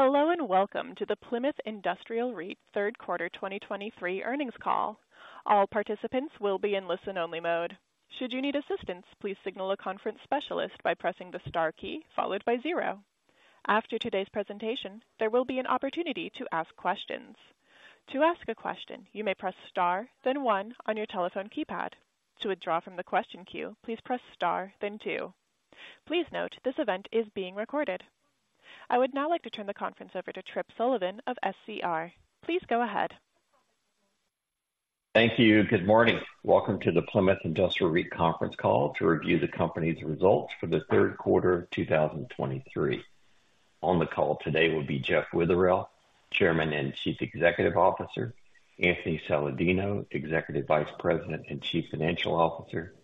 Hello, and welcome to the Plymouth Industrial REIT Third Quarter 2023 earnings call. All participants will be in listen-only mode. Should you need assistance, please signal a conference specialist by pressing the Star key followed by zero. After today's presentation, there will be an opportunity to ask questions. To ask a question, you may press Star, then one on your telephone keypad. To withdraw from the question queue, please press Star, then two. Please note, this event is being recorded. I would now like to turn the conference over to Tripp Sullivan of SCR. Please go ahead. Thank you. Good morning. Welcome to the Plymouth Industrial REIT conference call to review the company's results for the third quarter of 2023. On the call today will be Jeff Witherell, Chairman and Chief Executive Officer, Anthony Saladino, Executive Vice President and Chief Financial Officer,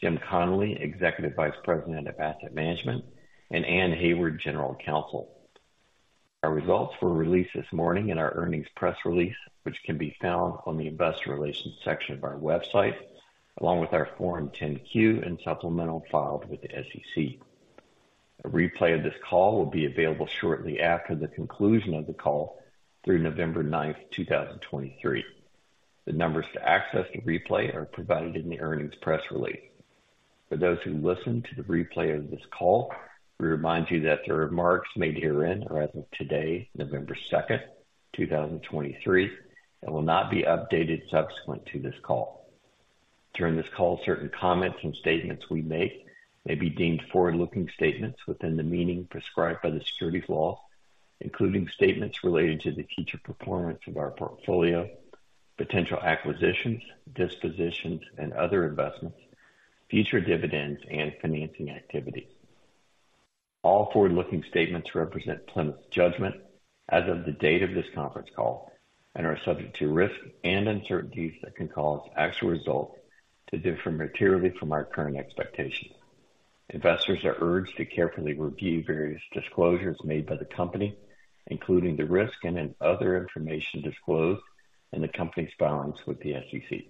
Jim Connolly, Executive Vice President of Asset Management, and Anne Hayward, General Counsel. Our results were released this morning in our earnings press release, which can be found on the investor relations section of our website, along with our Form 10-Q and supplemental filed with the SEC. A replay of this call will be available shortly after the conclusion of the call through November 9th, 2023. The numbers to access the replay are provided in the earnings press release. For those who listen to the replay of this call, we remind you that the remarks made herein are as of today, November 2nd 2023, and will not be updated subsequent to this call. During this call, certain comments and statements we make may be deemed forward-looking statements within the meaning prescribed by the securities law, including statements related to the future performance of our portfolio, potential acquisitions, dispositions, and other investments, future dividends, and financing activities. All forward-looking statements represent Plymouth's judgment as of the date of this conference call and are subject to risks and uncertainties that can cause actual results to differ materially from our current expectations. Investors are urged to carefully review various disclosures made by the company, including the risk and any other information disclosed in the company's filings with the SEC.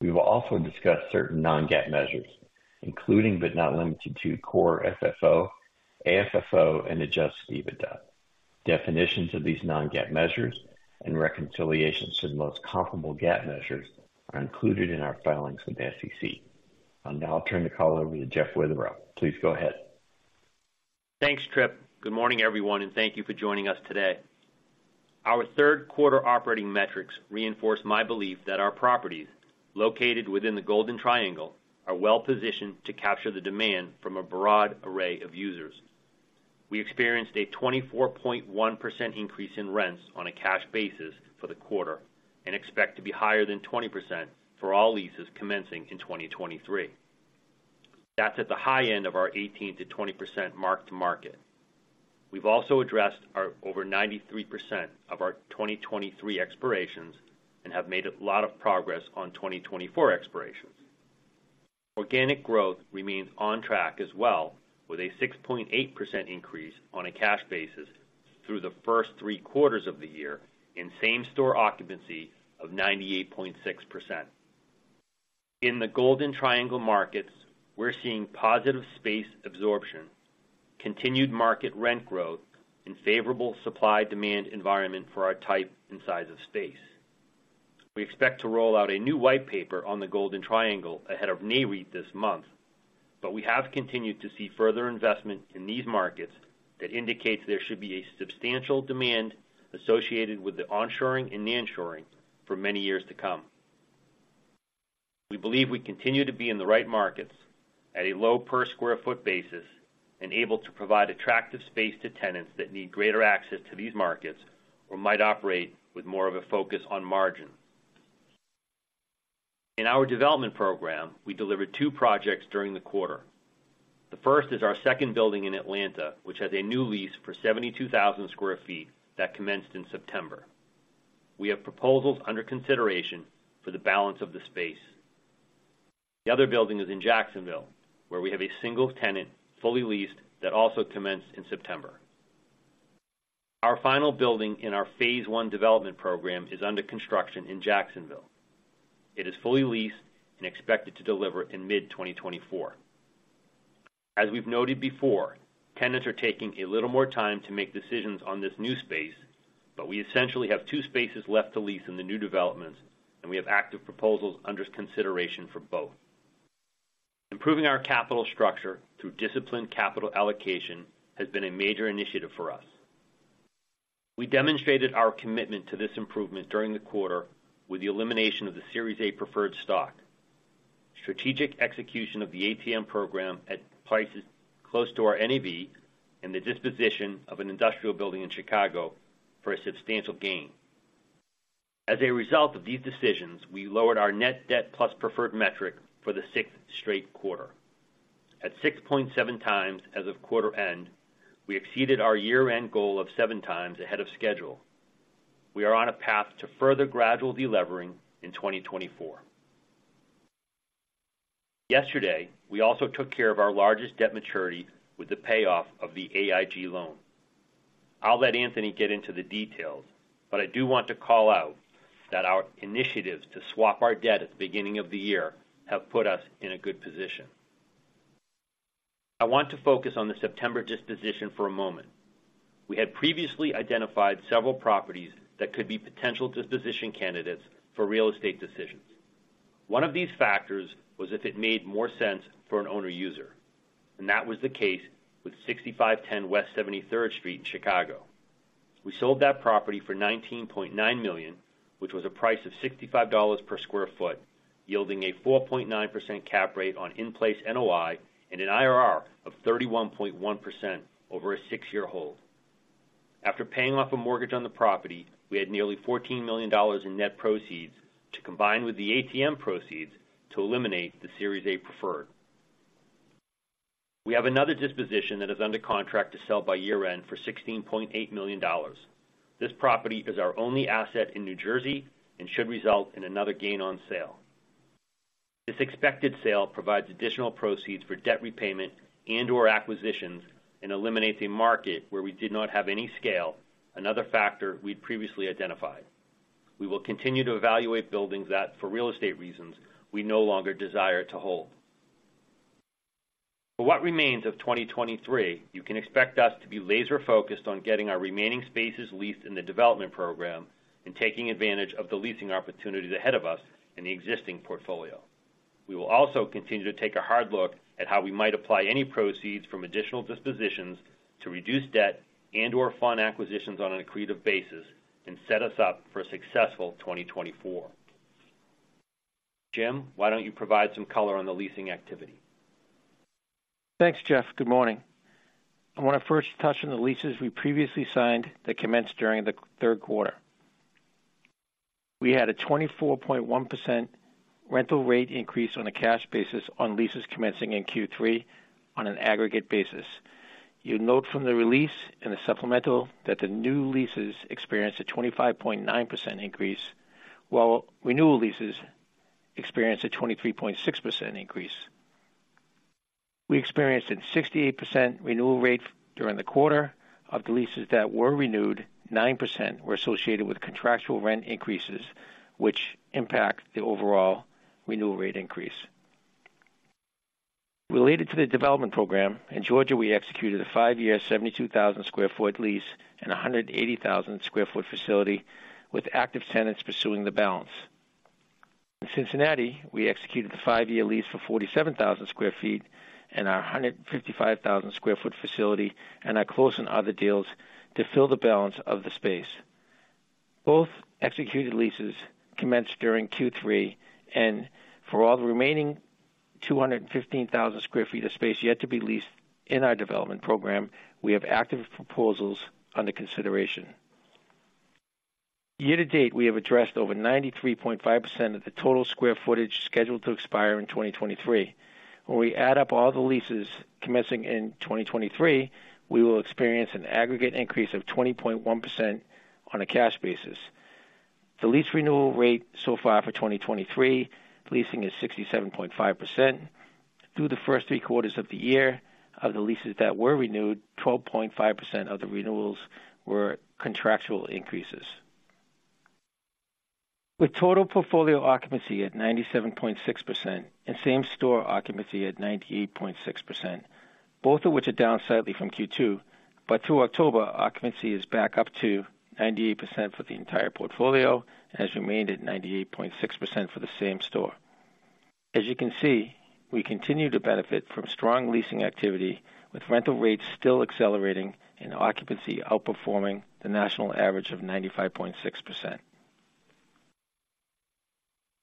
We will also discuss certain non-GAAP measures, including, but not limited to, Core FFO, AFFO, and Adjusted EBITDA. Definitions of these non-GAAP measures and reconciliations to the most comparable GAAP measures are included in our filings with the SEC. I'll now turn the call over to Jeff Witherell. Please go ahead. Thanks, Tripp. Good morning, everyone, and thank you for joining us today. Our third quarter operating metrics reinforce my belief that our properties, located within the Golden Triangle, are well positioned to capture the demand from a broad array of users. We experienced a 24.1% increase in rents on a cash basis for the quarter and expect to be higher than 20% for all leases commencing in 2023. That's at the high end of our 18%-20% mark-to-market. We've also addressed our over 93% of our 2023 expirations and have made a lot of progress on 2024 expirations. Organic growth remains on track as well, with a 6.8% increase on a cash basis through the first three quarters of the year in same store occupancy of 98.6%. In the Golden Triangle markets, we're seeing positive space absorption, continued market rent growth, and favorable supply-demand environment for our type and size of space. We expect to roll out a new white paper on the Golden Triangle ahead of NAREIT this month, but we have continued to see further investment in these markets that indicates there should be a substantial demand associated with the onshoring and nearshoring for many years to come. We believe we continue to be in the right markets at a low per square foot basis and able to provide attractive space to tenants that need greater access to these markets or might operate with more of a focus on margin. In our development program, we delivered two projects during the quarter. The first is our second building in Atlanta, which has a new lease for 72,000 square feet that commenced in September. We have proposals under consideration for the balance of the space. The other building is in Jacksonville, where we have a single tenant, fully leased, that also commenced in September. Our final building in our phase one development program is under construction in Jacksonville. It is fully leased and expected to deliver in mid-2024. As we've noted before, tenants are taking a little more time to make decisions on this new space, but we essentially have two spaces left to lease in the new developments, and we have active proposals under consideration for both. Improving our capital structure through disciplined capital allocation has been a major initiative for us. We demonstrated our commitment to this improvement during the quarter with the elimination of the Series A Preferred Stock. Strategic execution of the ATM program at prices close to our NAV and the disposition of an industrial building in Chicago for a substantial gain. As a result of these decisions, we lowered our net debt plus preferred metric for the sixth straight quarter. At 6.7 times as of quarter end, we exceeded our year-end goal of 7 times ahead of schedule. We are on a path to further gradual delevering in 2024. Yesterday, we also took care of our largest debt maturity with the payoff of the AIG loan. I'll let Anthony get into the details, but I do want to call out that our initiatives to swap our debt at the beginning of the year have put us in a good position. I want to focus on the September disposition for a moment. We had previously identified several properties that could be potential disposition candidates for real estate decisions. One of these factors was if it made more sense for an owner user, and that was the case with 6510 West 73rd Street in Chicago. We sold that property for $19.9 million, which was a price of $65 per square foot, yielding a 4.9% cap rate on in-place NOI and an IRR of 31.1% over a 6-year hold. After paying off a mortgage on the property, we had nearly $14 million in net proceeds to combine with the ATM proceeds to eliminate the Series A preferred. We have another disposition that is under contract to sell by year-end for $16.8 million. This property is our only asset in New Jersey and should result in another gain on sale. This expected sale provides additional proceeds for debt repayment and/or acquisitions, and eliminates a market where we did not have any scale, another factor we'd previously identified. We will continue to evaluate buildings that, for real estate reasons, we no longer desire to hold. For what remains of 2023, you can expect us to be laser focused on getting our remaining spaces leased in the development program and taking advantage of the leasing opportunities ahead of us in the existing portfolio. We will also continue to take a hard look at how we might apply any proceeds from additional dispositions to reduce debt and/or fund acquisitions on an accretive basis and set us up for a successful 2024. Jim, why don't you provide some color on the leasing activity? Thanks, Jeff. Good morning. I want to first touch on the leases we previously signed that commenced during the third quarter. We had a 24.1% rental rate increase on a cash basis on leases commencing in Q3 on an aggregate basis. You'll note from the release in the supplemental that the new leases experienced a 25.9% increase, while renewal leases experienced a 23.6% increase. We experienced a 68% renewal rate during the quarter of the leases that were renewed, 9% were associated with contractual rent increases, which impact the overall renewal rate increase. Related to the development program, in Georgia, we executed a 5-year, 72,000 square foot lease and a 180,000 square foot facility, with active tenants pursuing the balance. In Cincinnati, we executed the 5-year lease for 47,000 square feet in our 155,000 square foot facility, and are close on other deals to fill the balance of the space. Both executed leases commenced during Q3, and for all the remaining 215,000 square feet of space yet to be leased in our development program, we have active proposals under consideration. Year to date, we have addressed over 93.5% of the total square footage scheduled to expire in 2023. When we add up all the leases commencing in 2023, we will experience an aggregate increase of 20.1% on a cash basis. The lease renewal rate so far for 2023, leasing is 67.5%. Through the first three quarters of the year, of the leases that were renewed, 12.5% of the renewals were contractual increases. With total portfolio occupancy at 97.6% and same-store occupancy at 98.6%, both of which are down slightly from Q2. But through October, occupancy is back up to 98% for the entire portfolio and has remained at 98.6% for the same store. As you can see, we continue to benefit from strong leasing activity, with rental rates still accelerating and occupancy outperforming the national average of 95.6%.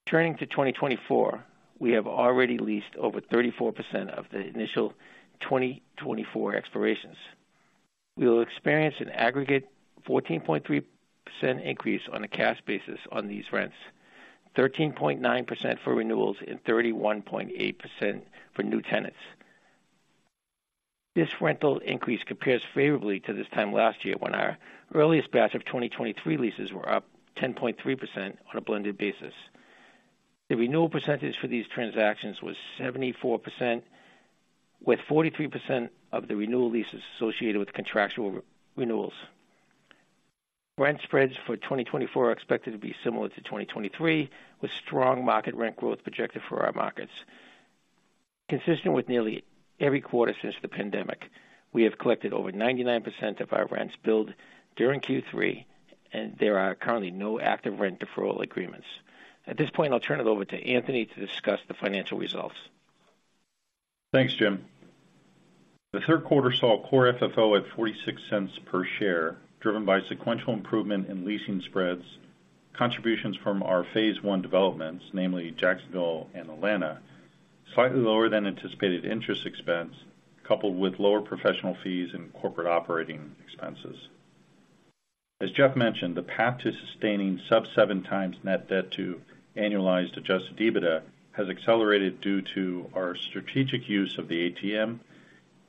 Turning to 2024, we have already leased over 34% of the initial 2024 expirations. We will experience an aggregate 14.3% increase on a cash basis on these rents, 13.9% for renewals, and 31.8% for new tenants. This rental increase compares favorably to this time last year, when our earliest batch of 2023 leases were up 10.3% on a blended basis. The renewal percentage for these transactions was 74%, with 43% of the renewal leases associated with contractual renewals. Rent spreads for 2024 are expected to be similar to 2023, with strong market rent growth projected for our markets. Consistent with nearly every quarter since the pandemic, we have collected over 99% of our rents billed during Q3, and there are currently no active rent deferral agreements. At this point, I'll turn it over to Anthony to discuss the financial results. Thanks, Jim. The third quarter saw core FFO at $0.46 per share, driven by sequential improvement in leasing spreads, contributions from our Phase One developments, namely Jacksonville and Atlanta, slightly lower than anticipated interest expense, coupled with lower professional fees and corporate operating expenses. As Jeff mentioned, the path to sustaining sub-7 times net debt to annualized adjusted EBITDA has accelerated due to our strategic use of the ATM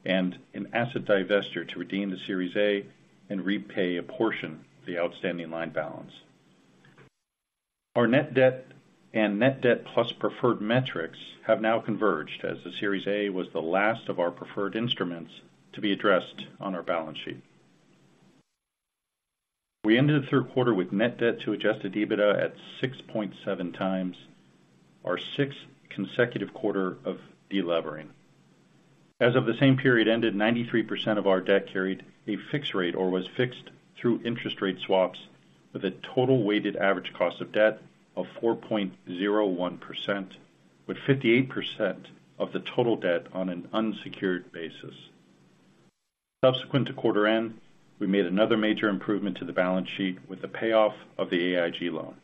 and an asset divestiture to redeem the Series A and repay a portion of the outstanding line balance. Our net debt and net debt plus preferred metrics have now converged, as the Series A was the last of our preferred instruments to be addressed on our balance sheet. We ended the third quarter with net debt to adjusted EBITDA at 6.7 times, our sixth consecutive quarter of delevering. As of the same period ended, 93% of our debt carried a fixed rate or was fixed through interest rate swaps, with a total weighted average cost of debt of 4.01%, with 58% of the total debt on an unsecured basis. Subsequent to quarter end, we made another major improvement to the balance sheet with the payoff of the AIG loan,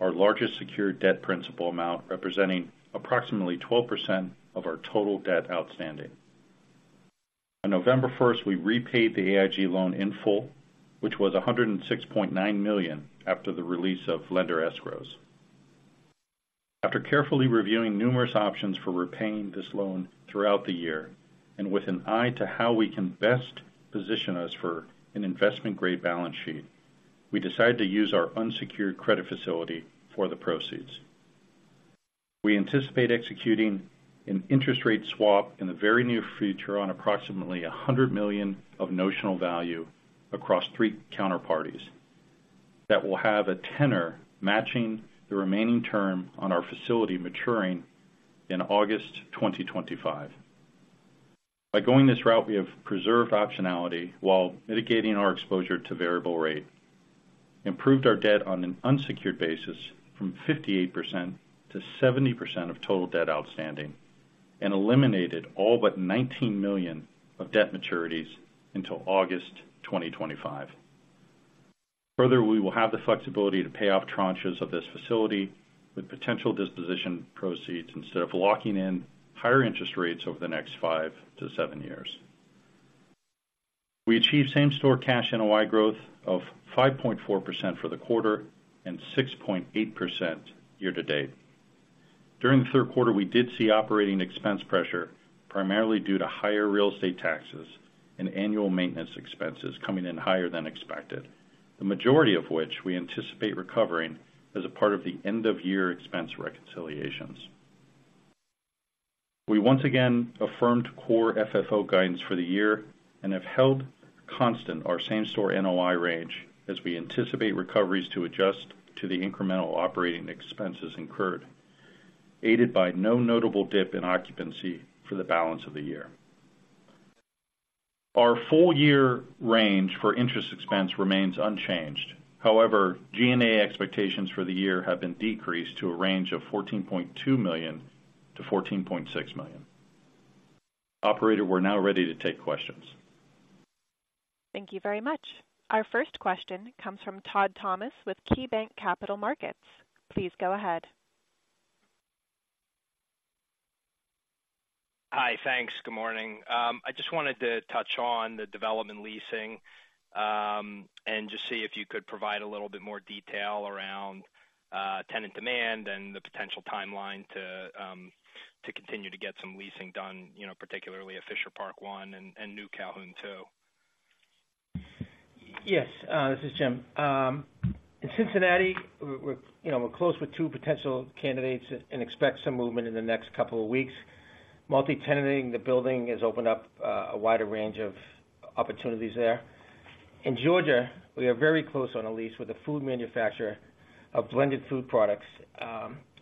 our largest secured debt principal amount, representing approximately 12% of our total debt outstanding. On November 1st, we repaid the AIG loan in full, which was $106.9 million after the release of lender escrows. After carefully reviewing numerous options for repaying this loan throughout the year, and with an eye to how we can best position us for an investment-grade balance sheet, we decided to use our unsecured credit facility for the proceeds. We anticipate executing an interest rate swap in the very near future on approximately $100 million of notional value across three counterparties, that will have a tenor matching the remaining term on our facility, maturing in August 2025. By going this route, we have preserved optionality while mitigating our exposure to variable rate, improved our debt on an unsecured basis from 58% to 70% of total debt outstanding, and eliminated all but $19 million of debt maturities until August 2025. Further, we will have the flexibility to pay off tranches of this facility with potential disposition proceeds, instead of locking in higher interest rates over the next 5-7 years. We achieved same-store cash NOI growth of 5.4% for the quarter and 6.8% year to date. During the third quarter, we did see operating expense pressure, primarily due to higher real estate taxes and annual maintenance expenses coming in higher than expected, the majority of which we anticipate recovering as a part of the end-of-year expense reconciliations. We once again affirmed core FFO guidance for the year and have held constant our same-store NOI range as we anticipate recoveries to adjust to the incremental operating expenses incurred, aided by no notable dip in occupancy for the balance of the year. Our full-year range for interest expense remains unchanged. However, G&A expectations for the year have been decreased to a range of $14.2 million-$14.6 million. Operator, we're now ready to take questions. Thank you very much. Our first question comes from Todd Thomas with KeyBanc Capital Markets. Please go ahead. Hi, thanks. Good morning. I just wanted to touch on the development leasing, and just see if you could provide a little bit more detail around tenant demand and the potential timeline to continue to get some leasing done, you know, particularly at Fisher Park One and New Calhoun, too. Yes, this is Jim. In Cincinnati, we're, you know, we're close with two potential candidates and expect some movement in the next couple of weeks. Multi-tenanting, the building has opened up a wider range of opportunities there. In Georgia, we are very close on a lease with a food manufacturer of blended food products.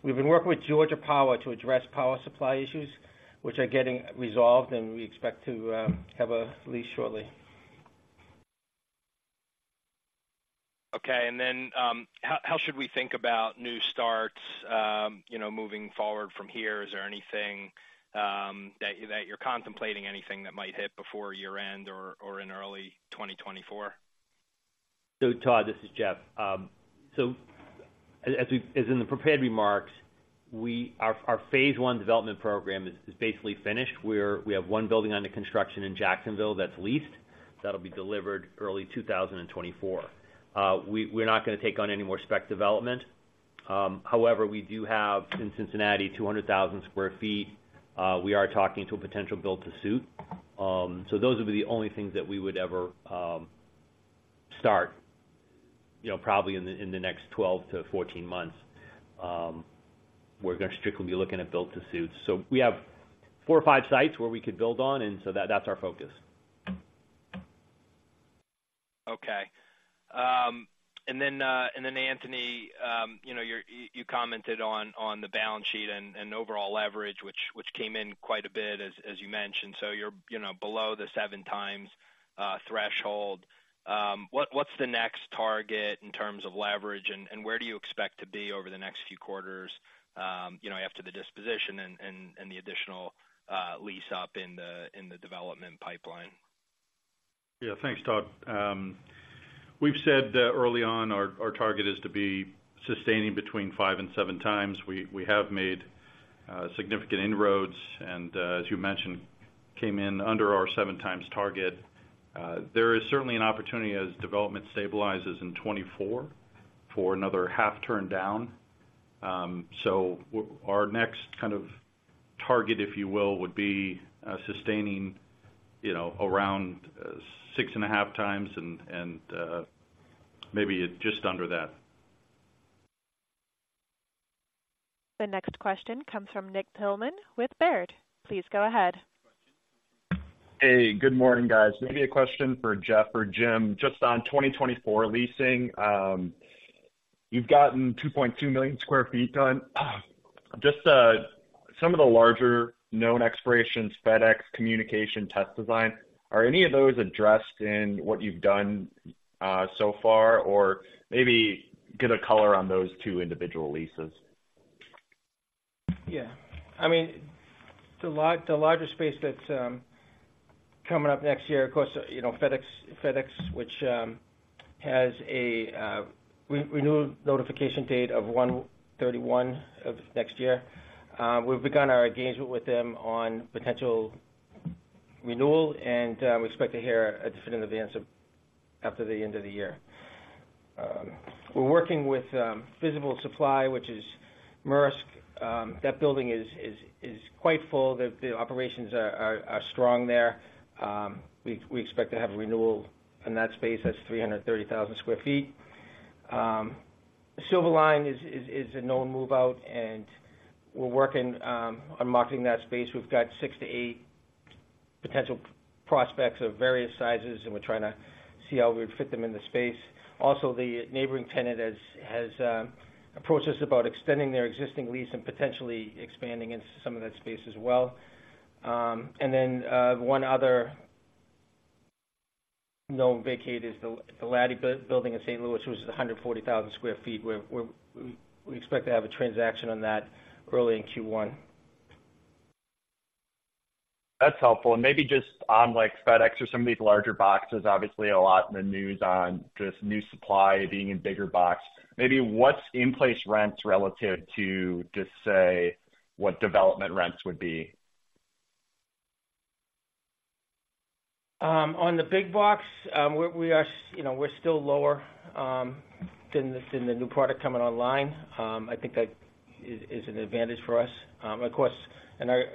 We've been working with Georgia Power to address power supply issues, which are getting resolved, and we expect to have a lease shortly. Okay, and then, how should we think about new starts, you know, moving forward from here? Is there anything that you're contemplating, anything that might hit before year-end or in early 2024? So Todd, this is Jeff. So as we as in the prepared remarks, our phase one development program is basically finished. We have one building under construction in Jacksonville that's leased. That'll be delivered early 2024. We're not gonna take on any more spec development. However, we do have in Cincinnati, 200,000 square feet. We are talking to a potential build-to-suit. So those would be the only things that we would ever start, you know, probably in the next 12-14 months. We're gonna strictly be looking at build-to-suits. So we have four or five sites where we could build on, and so that's our focus. Okay. And then, Anthony, you know, you commented on the balance sheet and overall leverage, which came in quite a bit, as you mentioned, so you're, you know, below the 7x threshold. What's the next target in terms of leverage, and where do you expect to be over the next few quarters, you know, after the disposition and the additional lease up in the development pipeline? Yeah. Thanks, Todd. We've said that early on, our target is to be sustaining between 5 and 7 times. We have made significant inroads, and as you mentioned, came in under our 7 times target. There is certainly an opportunity as development stabilizes in 2024 for another half turn down. So our next kind of target, if you will, would be sustaining, you know, around 6.5 times and maybe just under that. The next question comes from Nick Thillman with Baird. Please go ahead. Hey, good morning, guys. Maybe a question for Jeff or Jim, just on 2024 leasing. You've gotten 2.2 million square feet done. Just, some of the larger known expirations, FedEx Communication Test Design, are any of those addressed in what you've done, so far? Or maybe get a color on those two individual leases. Yeah. I mean, the larger space that's coming up next year, of course, you know, FedEx, which has a renewal notification date of 1/31 of next year. We've begun our engagement with them on potential renewal, and we expect to hear a definitive answer after the end of the year. We're working with Visible Supply, which is Maersk. That building is quite full. The operations are strong there. We expect to have a renewal in that space. That's 330,000 square feet. Silver Line is a known move-out, and we're working on marketing that space. We've got 6-8 potential prospects of various sizes, and we're trying to see how we'd fit them in the space. Also, the neighboring tenant has approached us about extending their existing lease and potentially expanding into some of that space as well. And then, one other known vacate is the Latty building in St. Louis, which is 140,000 square feet, where we expect to have a transaction on that early in Q1. That's helpful. And maybe just on, like, FedEx or some of these larger boxes, obviously, a lot in the news on just new supply being in bigger box. Maybe what's in-place rents relative to just, say, what development rents would be? On the big box, we are, you know, still lower than the new product coming online. I think that is an advantage for us. Of course, and our...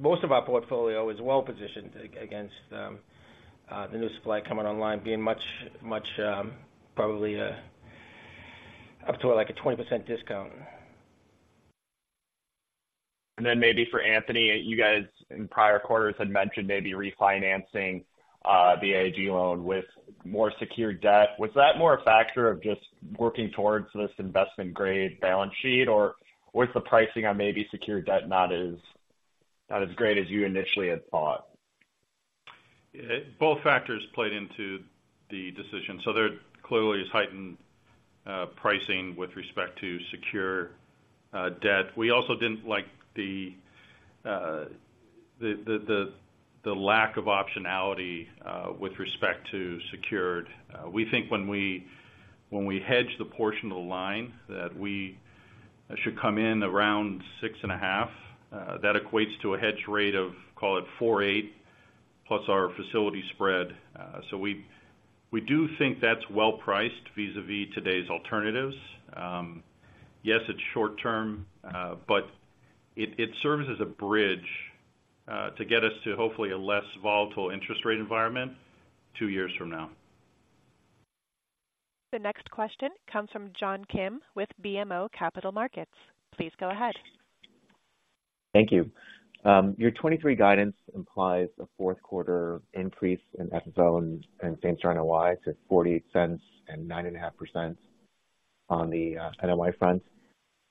Most of our portfolio is well positioned against the new supply coming online, being much, much, probably, up to, like, a 20% discount. Then maybe for Anthony, you guys, in prior quarters, had mentioned maybe refinancing the AIG loan with more secured debt. Was that more a factor of just working towards this investment-grade balance sheet, or was the pricing on maybe secured debt not as, not as great as you initially had thought? Both factors played into the decision, so there clearly is heightened pricing with respect to secure debt. We also didn't like the lack of optionality with respect to secured. We think when we hedge the portion of the line, that we should come in around 6.5. That equates to a hedge rate of, call it, 4.8, plus our facility spread. So we do think that's well priced vis-a-vis today's alternatives. Yes, it's short term, but it serves as a bridge to get us to, hopefully, a less volatile interest rate environment two years from now. The next question comes from John Kim with BMO Capital Markets. Please go ahead. Thank you. Your 2023 guidance implies a fourth quarter increase in FFO and Same-Store NOI to $0.48 and 9.5% on the NOI front.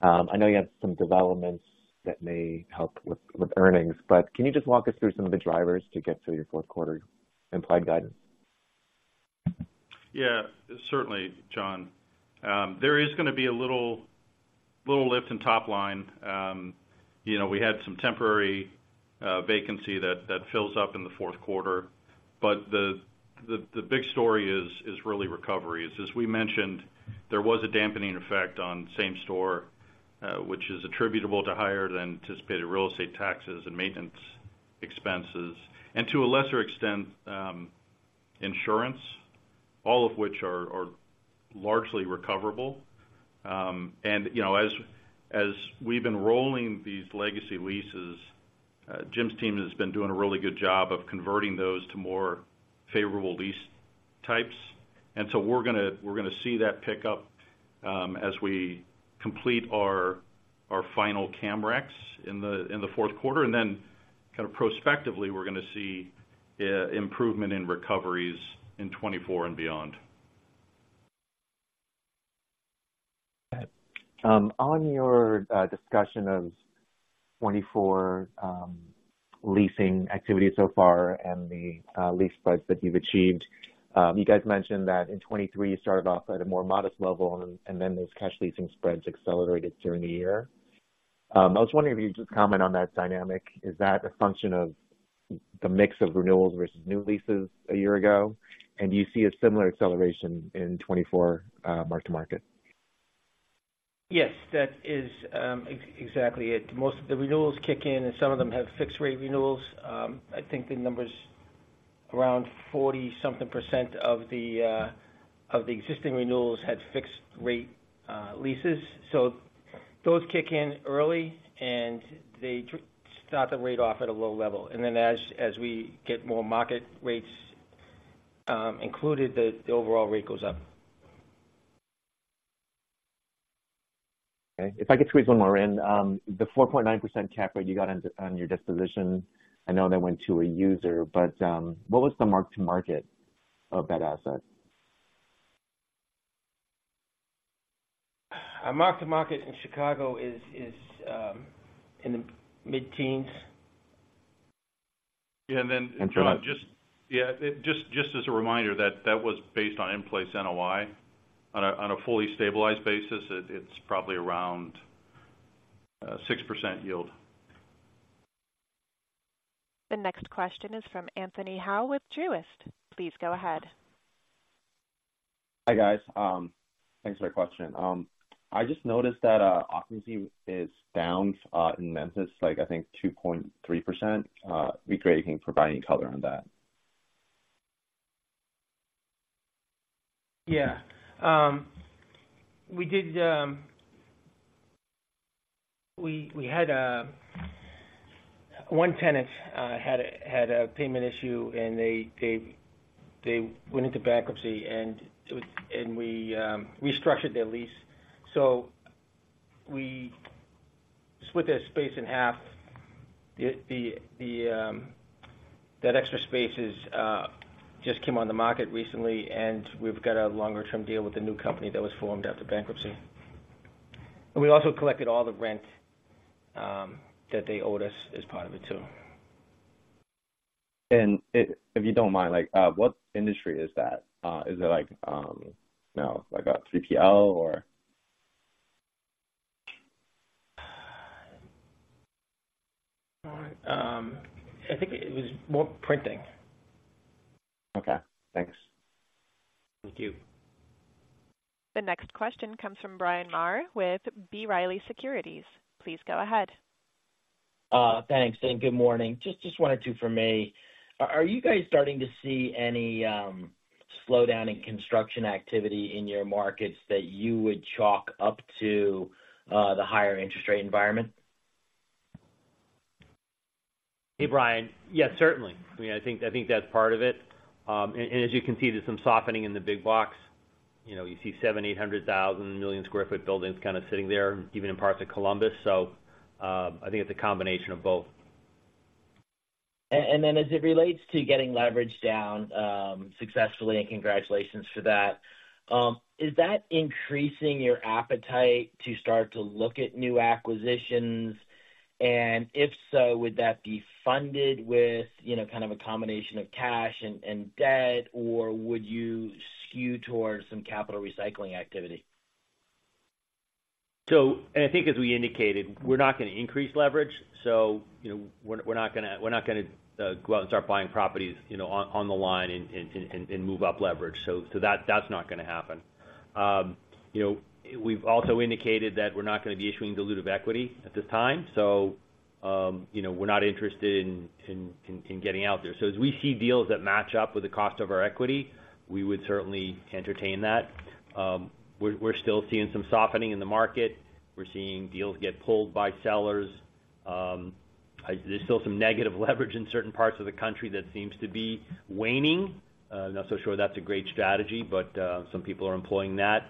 I know you have some developments that may help with, with earnings, but can you just walk us through some of the drivers to get to your fourth quarter implied guidance? Yeah, certainly, John. There is gonna be a little lift in top line. You know, we had some temporary vacancy that fills up in the fourth quarter. But the big story is really recovery. As we mentioned, there was a dampening effect on same-store, which is attributable to higher-than-anticipated real estate taxes and maintenance expenses, and to a lesser extent, insurance, all of which are largely recoverable. And, you know, as we've been rolling these legacy leases, Jim's team has been doing a really good job of converting those to more favorable lease types. And so we're gonna see that pick up, as we complete our final CAM recs in the fourth quarter, and then kind of prospectively, we're gonna see improvement in recoveries in 2024 and beyond. On your discussion of 2024 leasing activity so far and the lease spreads that you've achieved, you guys mentioned that in 2023, you started off at a more modest level and then those cash leasing spreads accelerated during the year. I was wondering if you could just comment on that dynamic. Is that a function of the mix of renewals versus new leases a year ago? And do you see a similar acceleration in 2024 mark-to-market? Yes, that is exactly it. Most of the renewals kick in, and some of them have fixed-rate renewals. I think the number's around 40-something% of the existing renewals had fixed-rate leases. So those kick in early, and they start the rate off at a low level. And then as we get more market rates-... included, the overall rate goes up. Okay. If I could squeeze one more in. The 4.9% cap rate you got on your disposition, I know that went to a user, but, what was the mark-to-market of that asset? Our Mark-to-Market in Chicago is in the mid-teens. Yeah, and then- And John- Just yeah, just as a reminder, that was based on in-place NOI. On a fully stabilized basis, it's probably around 6% yield. The next question is from Anthony Hau with Truist. Please go ahead. Hi, guys. Thanks for the question. I just noticed that occupancy is down in Memphis, like, I think 2.3%. Be great if you can provide any color on that. Yeah. We did. We had one tenant had a payment issue, and they went into bankruptcy, and we restructured their lease. So we split their space in half. That extra space just came on the market recently, and we've got a longer-term deal with the new company that was formed after bankruptcy. And we also collected all the rent that they owed us as part of it, too. If you don't mind, like, what industry is that? Is it like, you know, like a 3PL or? I think it was more printing. Okay, thanks. Thank you. The next question comes from Bryan Maher with B. Riley Securities. Please go ahead. Thanks, and good morning. Just one or two from me. Are you guys starting to see any slowdown in construction activity in your markets that you would chalk up to the higher interest rate environment? Hey, Bryan. Yes, certainly. I mean, I think, I think that's part of it. And as you can see, there's some softening in the big box. You know, you see 700,000-800,000, 1 million square foot buildings kind of sitting there, even in parts of Columbus. So, I think it's a combination of both. And then as it relates to getting leverage down, successfully, and congratulations for that, is that increasing your appetite to start to look at new acquisitions? And if so, would that be funded with, you know, kind of a combination of cash and, and debt, or would you skew towards some capital recycling activity? So I think as we indicated, we're not gonna increase leverage. So, you know, we're not gonna go out and start buying properties, you know, on the line and move up leverage. So that's not gonna happen. You know, we've also indicated that we're not gonna be issuing dilutive equity at this time, so, you know, we're not interested in getting out there. So as we see deals that match up with the cost of our equity, we would certainly entertain that. We're still seeing some softening in the market. We're seeing deals get pulled by sellers. There's still some negative leverage in certain parts of the country that seems to be waning. Not so sure that's a great strategy, but some people are employing that.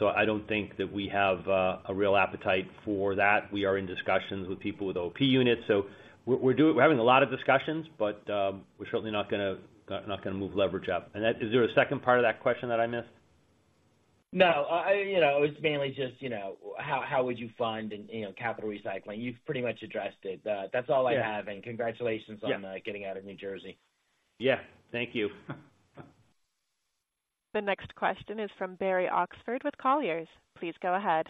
So I don't think that we have a real appetite for that. We are in discussions with people with OP units, so we're having a lot of discussions, but we're certainly not gonna, not gonna move leverage up. And that... Is there a second part of that question that I missed? No, you know, it's mainly just, you know, how, how would you fund and, you know, capital recycling? You've pretty much addressed it. That's all I have- Yeah. -and congratulations- Yeah. on getting out of New Jersey. Yeah. Thank you. The next question is from Barry Oxford with Colliers. Please go ahead.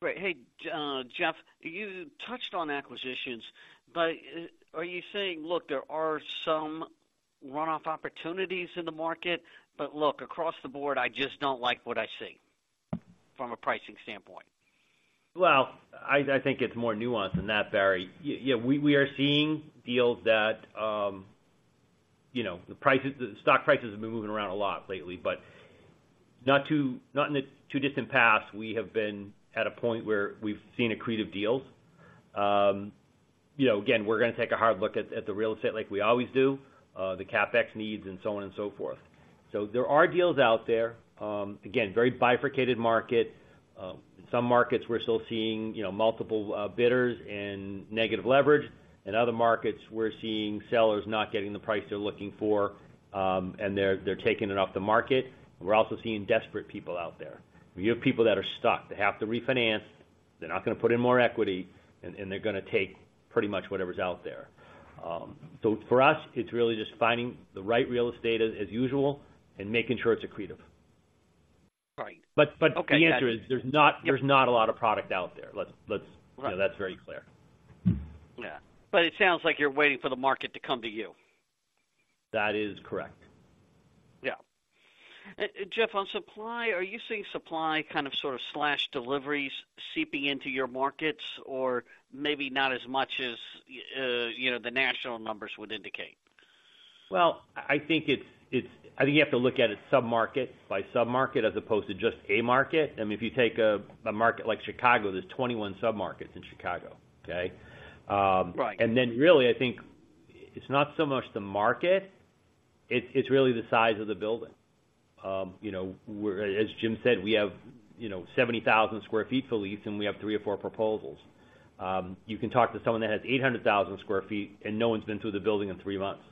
Great. Hey, Jeff, you touched on acquisitions, but, are you saying, "Look, there are some runoff opportunities in the market, but look, across the board, I just don't like what I see" from a pricing standpoint? Well, I think it's more nuanced than that, Barry. Yeah, we are seeing deals that, you know, the prices, the stock prices have been moving around a lot lately, but not in the too distant past, we have been at a point where we've seen accretive deals. You know, again, we're gonna take a hard look at the real estate like we always do, the CapEx needs and so on and so forth. So there are deals out there. Again, very bifurcated market. Some markets, we're still seeing, you know, multiple bidders and negative leverage. In other markets, we're seeing sellers not getting the price they're looking for, and they're taking it off the market. We're also seeing desperate people out there. We have people that are stuck. They have to refinance. They're not gonna put in more equity, and they're gonna take pretty much whatever's out there. So for us, it's really just finding the right real estate as usual and making sure it's accretive. Right. But, but- Okay. The answer is, there's not- Yep. There's not a lot of product out there. Let's, let's- Right. You know, that's very clear. Yeah. But it sounds like you're waiting for the market to come to you. That is correct. Yeah. Jeff, on supply, are you seeing supply kind of, sort of, slash deliveries seeping into your markets, or maybe not as much as, you know, the national numbers would indicate? Well, I think it's, I think you have to look at it sub-market by sub-market, as opposed to just a market. I mean, if you take a market like Chicago, there's 21 submarkets in Chicago, okay? Right. And then really, I think. It's not so much the market. It's really the size of the building. You know, we're—as Jim said, we have, you know, 70,000 square feet to lease, and we have 3 or 4 proposals. You can talk to someone that has 800,000 square feet, and no one's been through the building in three months.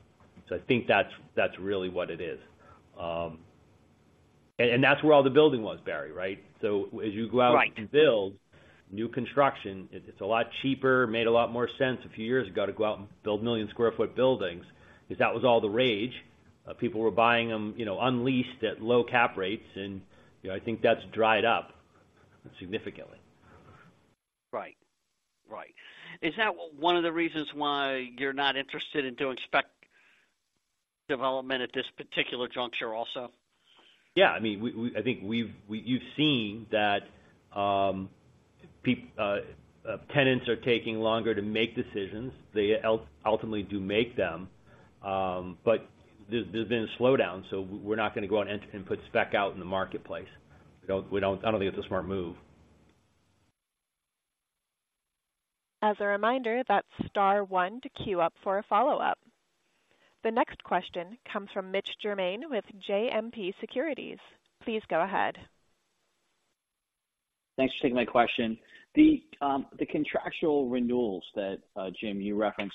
So I think that's really what it is. And that's where all the building was, Barry, right? So as you go out- Right. -and build new construction, it, it's a lot cheaper, made a lot more sense a few years ago to go out and build 1 million square foot buildings, because that was all the rage. People were buying them, you know, unleased at low cap rates, and, you know, I think that's dried up significantly. Right. Right. Is that one of the reasons why you're not interested in doing spec development at this particular juncture also? Yeah. I mean, I think you've seen that tenants are taking longer to make decisions. They ultimately do make them, but there's been a slowdown, so we're not gonna go out and put spec out in the marketplace. We don't. I don't think it's a smart move. As a reminder, that's star one to queue up for a follow-up. The next question comes from Mitch Germain with JMP Securities. Please go ahead. Thanks for taking my question. The contractual renewals that Jim, you referenced,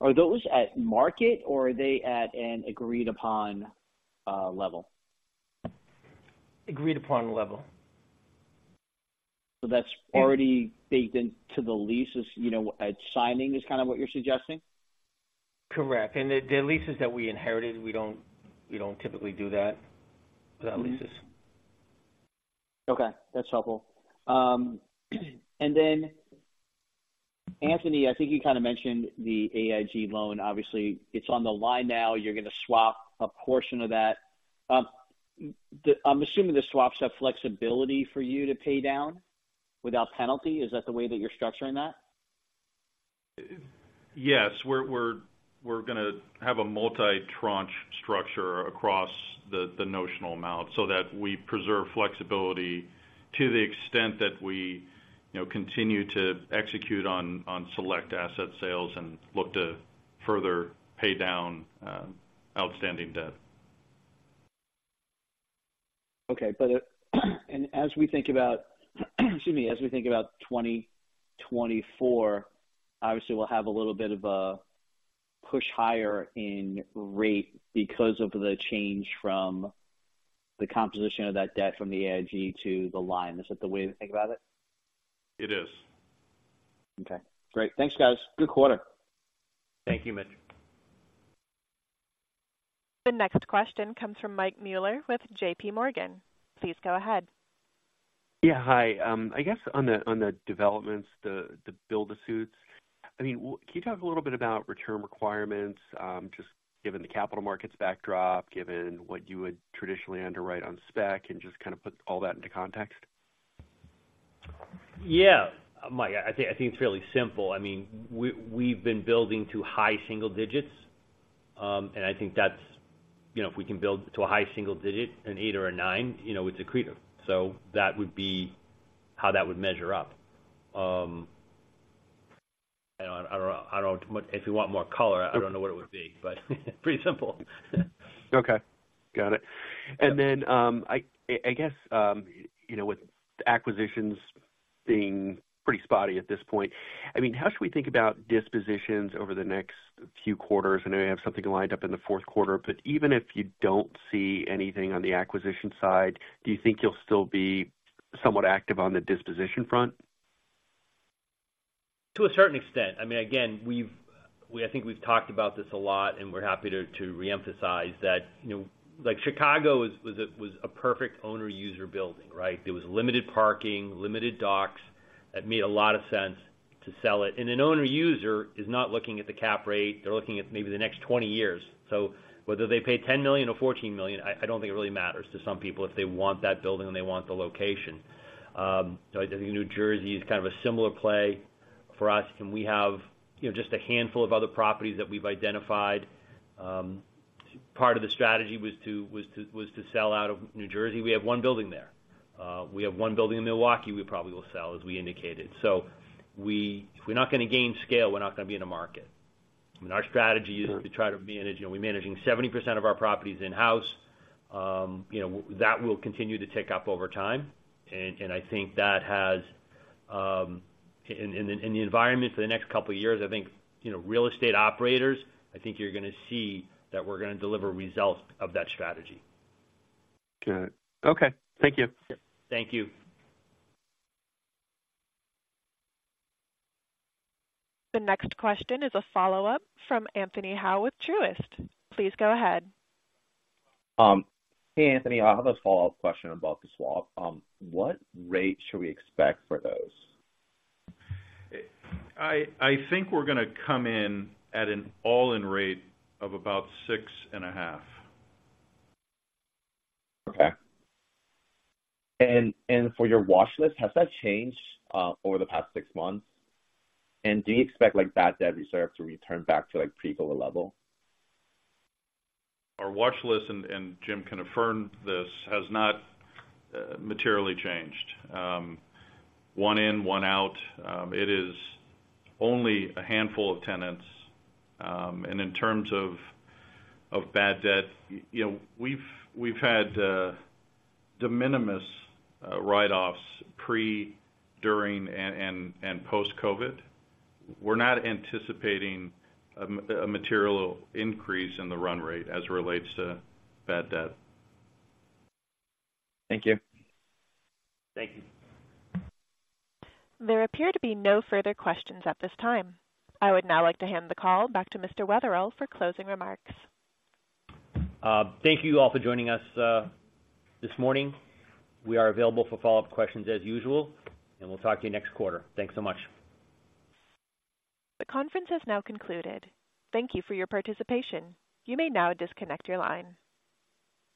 are those at market or are they at an agreed-upon level? Agreed-upon level. That's already baked into the leases, you know, at signing, is kind of what you're suggesting? Correct. And the leases that we inherited, we don't typically do that with our leases. Okay, that's helpful. And then, Anthony, I think you kind of mentioned the AIG loan. Obviously, it's on the line now. You're gonna swap a portion of that. I'm assuming the swaps have flexibility for you to pay down without penalty. Is that the way that you're structuring that? Yes, we're gonna have a multi-tranche structure across the notional amount, so that we preserve flexibility to the extent that we, you know, continue to execute on select asset sales and look to further pay down outstanding debt. Okay. But as we think about 2024, obviously, we'll have a little bit of a push higher in rate because of the change from the composition of that debt from the AIG to the line. Is that the way to think about it? It is. Okay, great. Thanks, guys. Good quarter. Thank you, Mitch. The next question comes from Mike Mueller with JP Morgan. Please go ahead. Yeah, hi. I guess on the developments, the build-to-suits, I mean, can you talk a little bit about return requirements, just given the capital markets backdrop, given what you would traditionally underwrite on spec, and just kind of put all that into context? Yeah, Mike, I think, I think it's fairly simple. I mean, we, we've been building to high single digits, and I think that's, you know, if we can build to a high single digit, an eight or a nine, you know, it's accretive. So that would be how that would measure up. And I don't know. If you want more color, I don't know what it would be, but pretty simple. Okay, got it. And then, I guess, you know, with acquisitions being pretty spotty at this point, I mean, how should we think about dispositions over the next few quarters? I know you have something lined up in the fourth quarter, but even if you don't see anything on the acquisition side, do you think you'll still be somewhat active on the disposition front? To a certain extent. I mean, again, I think we've talked about this a lot, and we're happy to reemphasize that, you know, like Chicago was a perfect owner-user building, right? There was limited parking, limited docks. That made a lot of sense to sell it. And an owner-user is not looking at the cap rate. They're looking at maybe the next 20 years. So whether they pay $10 million or $14 million, I don't think it really matters to some people if they want that building and they want the location. So I think New Jersey is kind of a similar play for us, and we have, you know, just a handful of other properties that we've identified. Part of the strategy was to sell out of New Jersey. We have one building there. We have one building in Milwaukee we probably will sell, as we indicated. So if we're not gonna gain scale, we're not gonna be in the market. I mean, our strategy is to try to manage, you know, we're managing 70% of our properties in-house. You know, that will continue to tick up over time. And I think that has, in the environment for the next couple of years, I think, you know, real estate operators, I think you're gonna see that we're gonna deliver results of that strategy. Got it. Okay, thank you. Thank you. The next question is a follow-up from Anthony Hau with Truist. Please go ahead. Hey, Anthony, I have a follow-up question about the swap. What rate should we expect for those? I think we're gonna come in at an all-in rate of about 6.5. Okay. And for your watch list, has that changed over the past six months? And do you expect, like, bad debt reserve to return back to, like, pre-COVID level? Our watch list, and Jim can affirm this, has not materially changed. One in, one out, it is only a handful of tenants. And in terms of bad debt, you know, we've had de minimis write-offs pre, during, and post-COVID. We're not anticipating a material increase in the run rate as it relates to bad debt. Thank you. Thank you. There appear to be no further questions at this time. I would now like to hand the call back to Mr. Witherell for closing remarks. Thank you all for joining us, this morning. We are available for follow-up questions as usual, and we'll talk to you next quarter. Thanks so much. The conference has now concluded. Thank you for your participation. You may now disconnect your line.